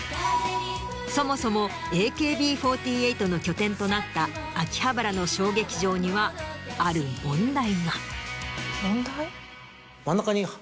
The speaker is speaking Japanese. そもそもＡＫＢ４８の拠点となった秋葉原の小劇場にはある問題が。